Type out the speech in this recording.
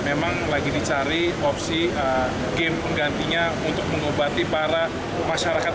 memang lagi dicari opsi game penggantinya untuk mengobati para masyarakat